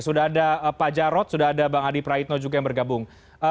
sudah ada pak jarod sudah ada bang adi praitno juga yang bergabung